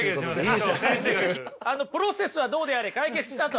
あのプロセスはどうであれ解決したと。